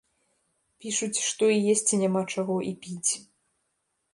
Пішуць, што і есці няма чаго, і піць.